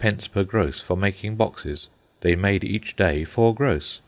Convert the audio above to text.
per gross for making boxes. They made each day four gross.